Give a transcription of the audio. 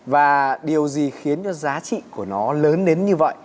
và điều gì khiến cho giá trị của nó lớn đến như vậy